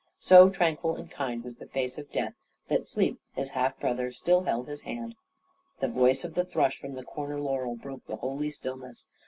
So tranquil and kind was the face of death, that sleep, his half brother, still held his hand. The voice of the thrush, from the corner laurel, broke the holy stillness.